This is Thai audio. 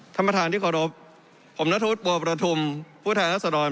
ท่านประธานที่ขอรบผมณทุษย์บัวประธุมผู้แท้ลักษณ์